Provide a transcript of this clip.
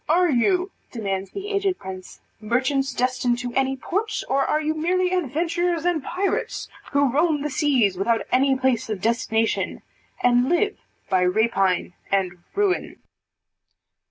"Are you," demands the aged prince, "merchants destined to any port, or are you merely adventurers and pirates, who roam the seas without any place of destination, and live by rapine and ruin."